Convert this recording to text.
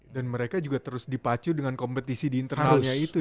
dan mereka juga terus dipacu dengan kompetisi di internalnya itu ya